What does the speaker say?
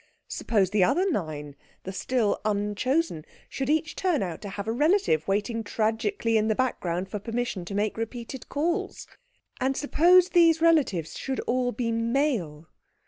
Suppose the other nine, the still Unchosen, should each turn out to have a relative waiting tragically in the background for permission to make repeated calls? And suppose these relatives should all be male?